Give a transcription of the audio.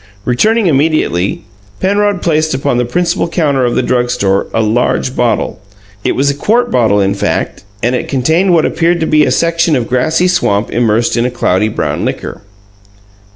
Returning immediately, Penrod placed upon the principal counter of the "drug store" a large bottle. It was a quart bottle, in fact; and it contained what appeared to be a section of grassy swamp immersed in a cloudy brown liquor.